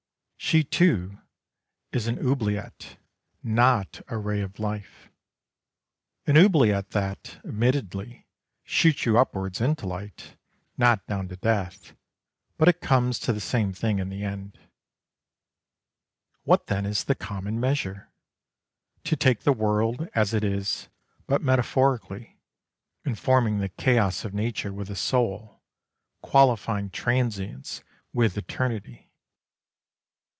She too is an oubliette, not a ray of life ; an oubliette that, admittedly, shoots you upwards into light, not down to death ; but it comes to the same thing in the end. What then is the common measure ? To 'take the world as it is, but metaphorically, informing the chaos of nature with a soul, qualifying transience with eternity.